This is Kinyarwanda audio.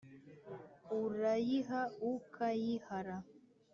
urayiha u kayihara